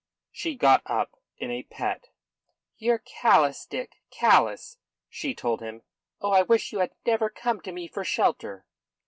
She got up in a pet. "You're callous, Dick callous!" she told him. "Oh, I wish you had never come to me for shelter."